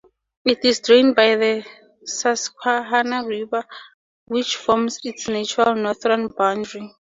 It is drained by the Susquehanna River which forms its natural northern boundary.